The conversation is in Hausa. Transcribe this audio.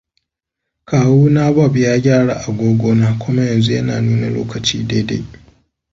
Kawuna Bob ya gyara agogo na kuma yanzu yana nuna lokaci daidai.